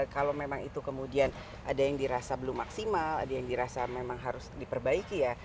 kalau memang itu kemudian ada yang dirasa belum maksimal ada yang dirasa memang harus diperbaiki ya